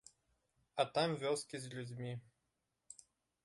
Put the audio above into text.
А там вёскі з людзьмі.